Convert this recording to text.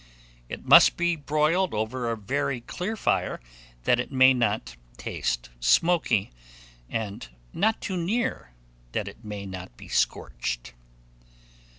It must be broiled over a very clear fire, that it may not taste smoky; and not too near, that it may not be scorched.